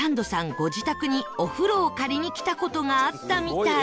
ご自宅にお風呂を借りに来た事があったみたい